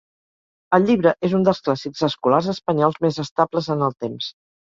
El llibre és un dels clàssics escolars espanyols més estables en el temps.